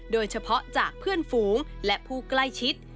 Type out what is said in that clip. โดยเฉพาะจากเพื่อนฝูงและผู้ใกล้ชิด